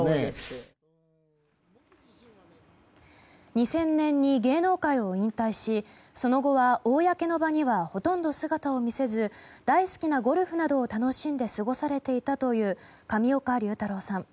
２０００年に芸能界を引退しその後は公の場にはほとんど姿を見せず大好きなゴルフなどを楽しんで過ごされていたという上岡龍太郎さん。